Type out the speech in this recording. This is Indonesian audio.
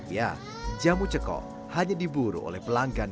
ya jamu cekok hanya diburu oleh pelanggan